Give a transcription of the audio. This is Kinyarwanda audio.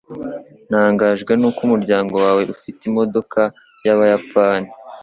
Ntangajwe nuko umuryango wawe ufite imodoka yabayapani.